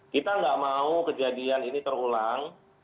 kita tidak mau kejadian ini terulang